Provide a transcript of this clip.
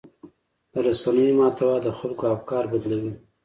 د رسنیو محتوا د خلکو افکار بدلوي.